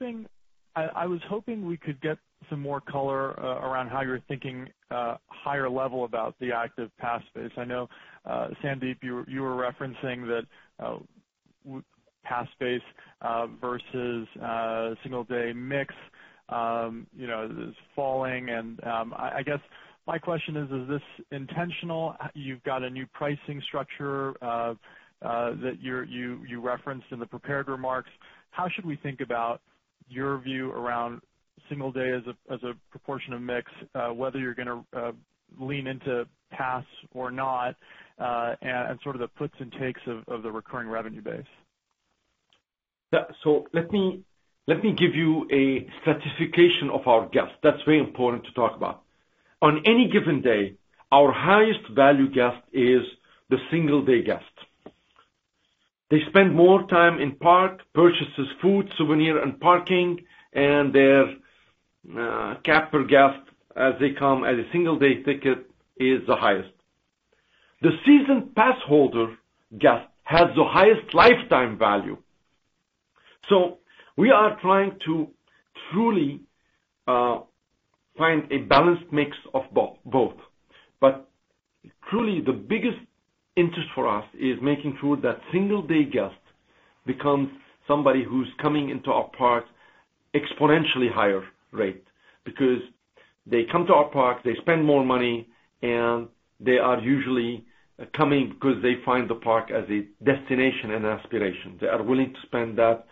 I was hoping we could get some more color around how you're thinking higher level about the active pass base. I know Sandeep you were referencing that pass base versus single-day mix you know is falling. I guess my question is this intentional? You've got a new pricing structure that you referenced in the prepared remarks. How should we think about your view around single day as a proportion of mix whether you're gonna lean into pass or not and sort of the puts and takes of the recurring revenue base? Yeah. Let me give you a segmentation of our guests. That's very important to talk about. On any given day, our highest value guest is the single-day guest. They spend more time in park, purchases food, souvenir, and parking, and their per capita as they come at a single-day ticket is the highest. The season pass holder guest has the highest lifetime value. We are trying to truly find a balanced mix of both. Truly the biggest interest for us is making sure that single-day guests become somebody who's coming into our parks exponentially higher rate because they come to our parks, they spend more money, and they are usually coming because they find the park as a destination and aspiration. They are willing to spend that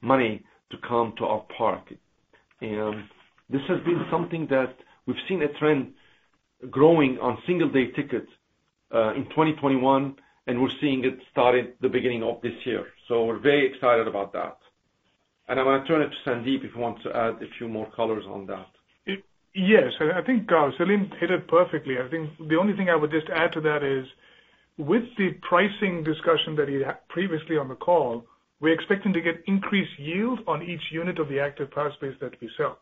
money to come to our park. This has been something that we've seen a trend growing on single day tickets, in 2021, and we're seeing it started the beginning of this year. We're very excited about that. I'm gonna turn it to Sandeep if he wants to add a few more colors on that. Yes, I think, Selim hit it perfectly. I think the only thing I would just add to that is, with the pricing discussion that he had previously on the call, we're expecting to get increased yield on each unit of the active pass base that we sell.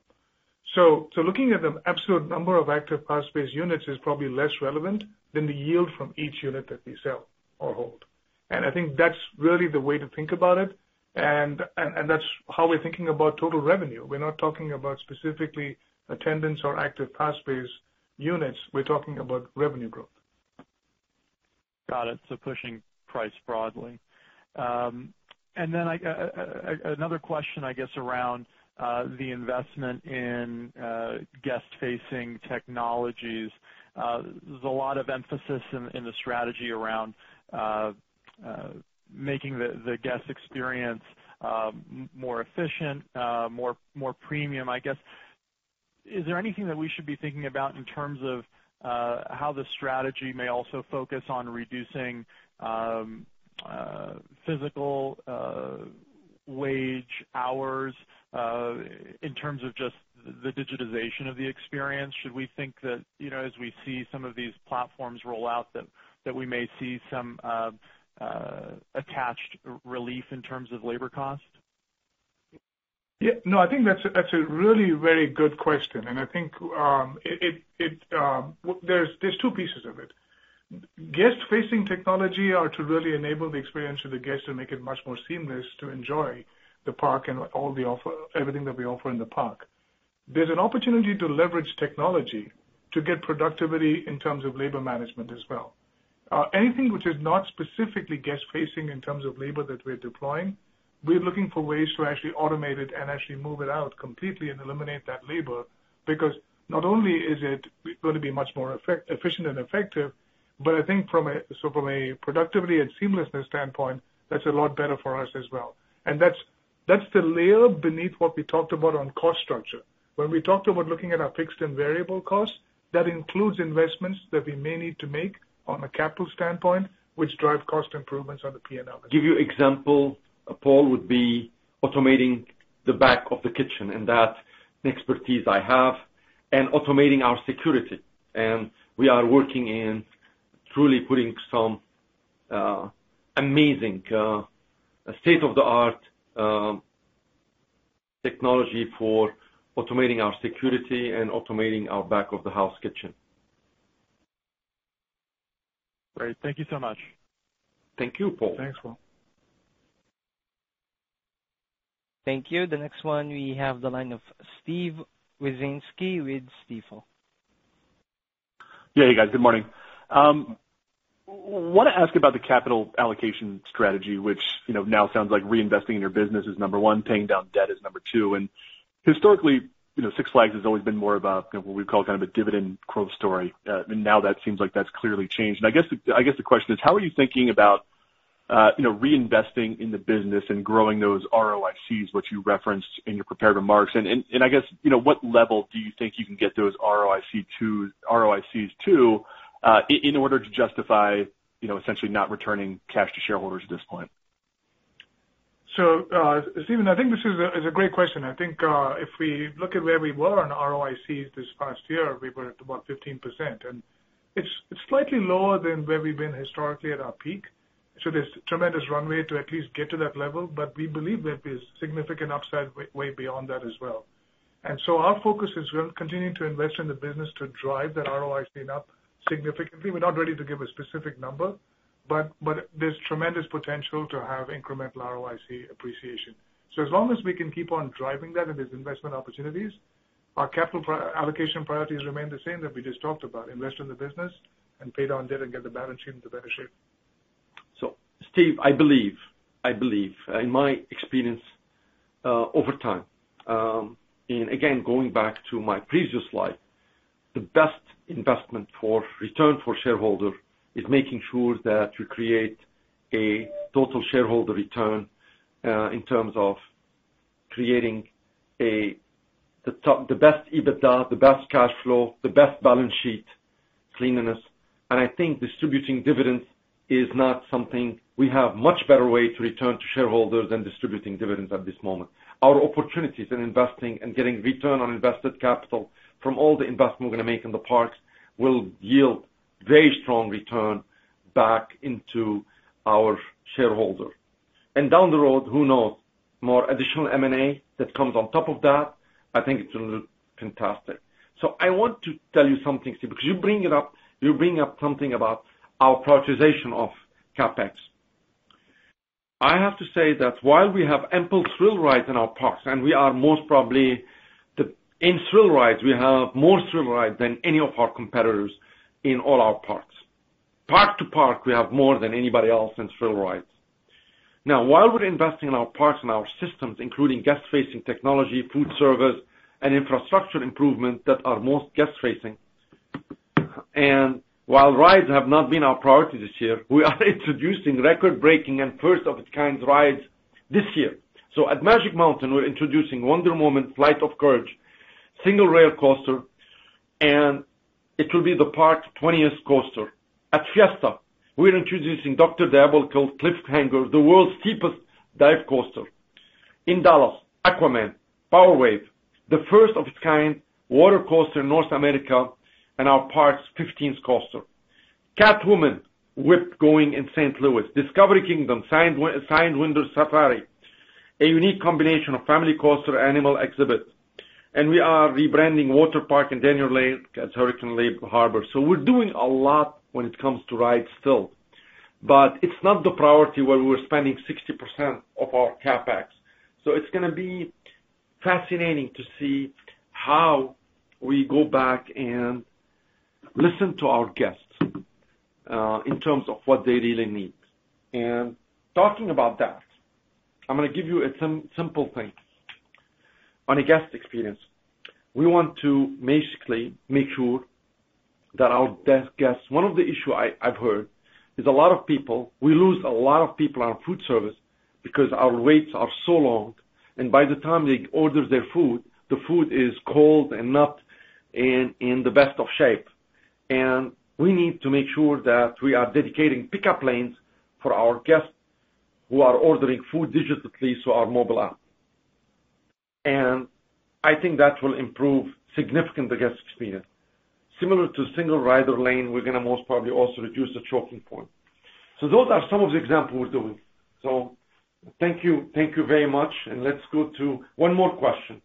Looking at the absolute number of active pass base units is probably less relevant than the yield from each unit that we sell or hold. I think that's really the way to think about it, and that's how we're thinking about total revenue. We're not talking about specifically attendance or active pass base units. We're talking about revenue growth. Got it. Pushing price broadly. Another question, I guess, around the investment in guest-facing technologies. There's a lot of emphasis in the strategy around making the guest experience more efficient, more premium, I guess. Is there anything that we should be thinking about in terms of how the strategy may also focus on reducing physical wage hours in terms of just the digitization of the experience? Should we think that, you know, as we see some of these platforms roll out, that we may see some attached relief in terms of labor cost? Yeah. No, I think that's a really very good question. I think there's two pieces of it. Guest-facing technology are to really enable the experience of the guest and make it much more seamless to enjoy the park and everything that we offer in the park. There's an opportunity to leverage technology to get productivity in terms of labor management as well. Anything which is not specifically guest-facing in terms of labor that we're deploying, we're looking for ways to actually automate it and actually move it out completely and eliminate that labor. Because not only is it going to be much more efficient and effective, but I think so from a productivity and seamlessness standpoint, that's a lot better for us as well. That's the layer beneath what we talked about on cost structure. When we talked about looking at our fixed and variable costs, that includes investments that we may need to make on a capital standpoint, which drive cost improvements on the P&L. Give you an example, Paul, would be automating the back of the kitchen, and that's an expertise I have, and automating our security. We are working on truly putting some amazing state-of-the-art technology for automating our security and automating our back-of-the-house kitchen. Great. Thank you so much. Thank you, Paul. Thanks, Paul. Thank you. The next one, we have the line of Steve Wieczynski with Stifel. Yeah, you guys. Good morning. Wanna ask about the capital allocation strategy, which, you know, now sounds like reinvesting in your business is number one, paying down debt is number two. Historically, you know, Six Flags has always been more of a, what we call kind of a dividend growth story. Now that seems like that's clearly changed. I guess the question is how are you thinking about, you know, reinvesting in the business and growing those ROICs, which you referenced in your prepared remarks? I guess, you know, what level do you think you can get those ROICs to in order to justify, you know, essentially not returning cash to shareholders at this point? Steve, I think this is a great question. If we look at where we were on ROICs this past year, we were at about 15%. It's slightly lower than where we've been historically at our peak. There's tremendous runway to at least get to that level, but we believe there is significant upside way beyond that as well. Our focus is, we're continuing to invest in the business to drive that ROIC up significantly. We're not ready to give a specific number, but there's tremendous potential to have incremental ROIC appreciation. As long as we can keep on driving that and there's investment opportunities, our capital allocation priorities remain the same that we just talked about, invest in the business and pay down debt and get the balance sheet into better shape. Steve, I believe in my experience, over time, and again, going back to my previous slide, the best investment for return for shareholder is making sure that we create a total shareholder return, in terms of creating the best EBITDA, the best cash flow, the best balance sheet cleanliness. I think distributing dividends is not something. We have much better way to return to shareholders than distributing dividends at this moment. Our opportunities in investing and getting return on invested capital from all the investment we're gonna make in the parks will yield very strong return back into our shareholder. Down the road, who knows, more additional M&A that comes on top of that, I think it's gonna look fantastic. I want to tell you something, Steve, because you bring up something about our prioritization of CapEx. I have to say that while we have ample thrill rides in our parks, and we are most probably in thrill rides, we have more thrill rides than any of our competitors in all our parks. Park to park, we have more than anybody else in thrill rides. Now, while we're investing in our parks and our systems, including guest-facing technology, food service, and infrastructure improvements that are most guest-facing, and while rides have not been our priority this year, we are introducing record-breaking and first-of-its-kind rides this year. At Magic Mountain, we're introducing Wonder Woman Flight of Courage, single rail coaster, and it will be the park's 20th coaster. At Fiesta, we're introducing Dr. Diabolical's Cliffhanger, the world's steepest dive coaster. In Dallas, Aquaman: Power Wave, the first of its kind water coaster in North America, and our park's 15th coaster. Catwoman Whip going in St. Louis. Discovery Kingdom Sidewinder Safari, a unique combination of family coaster animal exhibits. We are rebranding water park in Darien Lake as Hurricane Harbor. We're doing a lot when it comes to rides still, but it's not the priority where we're spending 60% of our CapEx. It's gonna be fascinating to see how we go back and listen to our guests in terms of what they really need. Talking about that, I'm gonna give you a simple thing. On a guest experience, we want to basically make sure that our guests. One of the issues I've heard is a lot of people, we lose a lot of people on food service because our waits are so long, and by the time they order their food, the food is cold and not in the best of shape. We need to make sure that we are dedicating pickup lanes for our guests who are ordering food digitally through our mobile app. I think that will improve significantly the guest experience. Similar to single rider lane, we're gonna most probably also reduce the choking point. Those are some of the examples we're doing. Thank you. Thank you very much. Let's go to one more question.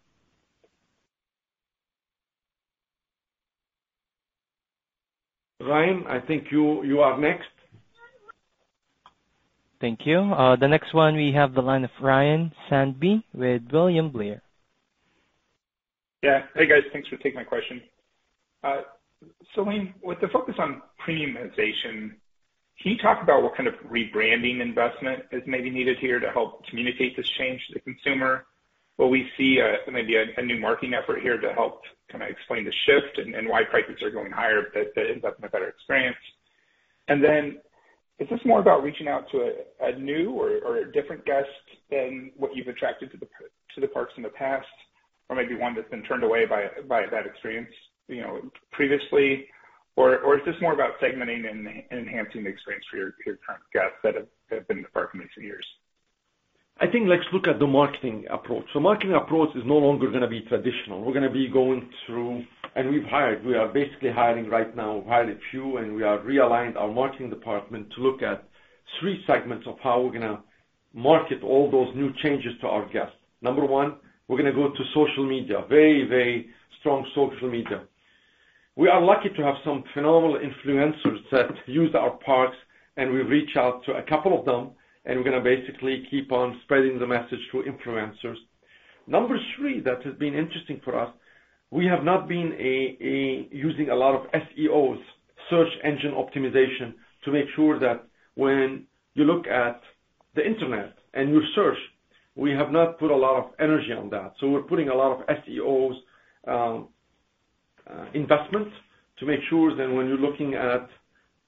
Ryan, I think you are next. Thank you. The next one, we have the line of Ryan Sundby with William Blair. Yeah. Hey, guys. Thanks for taking my question. Selim, with the focus on premiumization, can you talk about what kind of rebranding investment is maybe needed here to help communicate this change to the consumer? Will we see maybe a new marketing effort here to help kinda explain the shift and why prices are going higher, but that ends up in a better experience? And then is this more about reaching out to a new or a different guest than what you've attracted to the parks in the past, or maybe one that's been turned away by that experience, you know, previously? Or is this more about segmenting and enhancing the experience for your current guests that have been to the park many years? I think let's look at the marketing approach. The marketing approach is no longer gonna be traditional. We're gonna be going through. We've hired, we are basically hiring right now, hired a few, and we have realigned our marketing department to look at three segments of how we're gonna market all those new changes to our guests. Number one, we're gonna go to social media, very, very strong social media. We are lucky to have some phenomenal influencers that use our parks, and we reach out to a couple of them, and we're gonna basically keep on spreading the message through influencers. Number three, that has been interesting for us, we have not been a using a lot of SEO, search engine optimization, to make sure that when you look at the internet and you search, we have not put a lot of energy on that. We're putting a lot of SEO investment to make sure that when you're looking at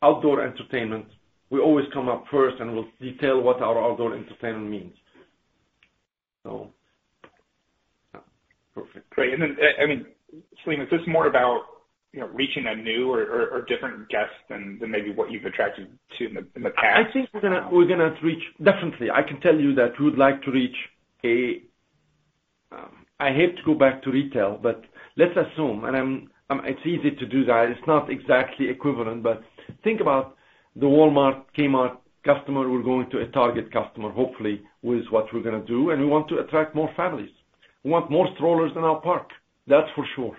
outdoor entertainment, we always come up first, and we'll detail what our outdoor entertainment means. Yeah. Perfect. Great. Selim, is this more about, you know, reaching a new or different guest than maybe what you've attracted to in the past? I think we're gonna reach. Definitely, I can tell you that we would like to reach a. I hate to go back to retail, but let's assume, it's easy to do that. It's not exactly equivalent, but think about the Walmart, Kmart customer. We're going to a Target customer, hopefully, with what we're gonna do, and we want to attract more families. We want more strollers in our park, that's for sure.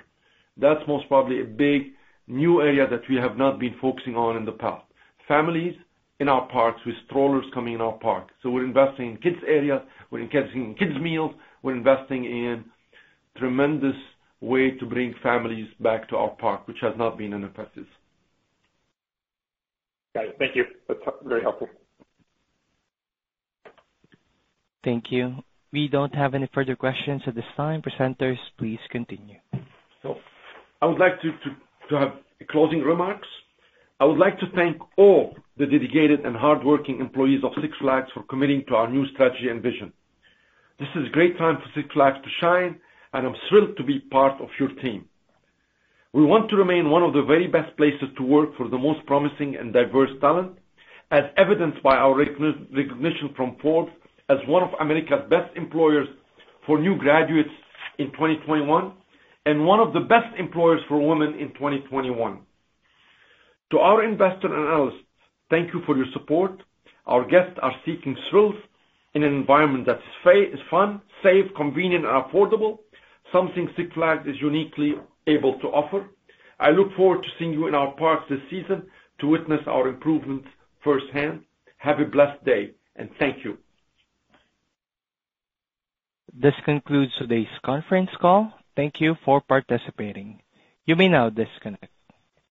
That's most probably a big, new area that we have not been focusing on in the past. Families in our parks with strollers coming in our parks. We're investing in kids area, we're investing in kids meals, we're investing in tremendous way to bring families back to our park, which has not been in the past years. Got it. Thank you. That's very helpful. Thank you. We don't have any further questions at this time. Presenters, please continue. I would like to have closing remarks. I would like to thank all the dedicated and hardworking employees of Six Flags for committing to our new strategy and vision. This is great time for Six Flags to shine, and I'm thrilled to be part of your team. We want to remain one of the very best places to work for the most promising and diverse talent, as evidenced by our recognition from Forbes as one of America's best employers for new graduates in 2021, and one of the best employers for women in 2021. To our investors and analysts, thank you for your support. Our guests are seeking thrills in an environment that's fun, safe, convenient, and affordable, something Six Flags is uniquely able to offer. I look forward to seeing you in our parks this season to witness our improvements firsthand. Have a blessed day, and thank you. This concludes today's conference call. Thank you for participating. You may now disconnect.